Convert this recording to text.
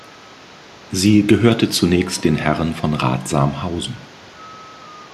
Sie gehörte zunächst den Herren von Rathsamhausen.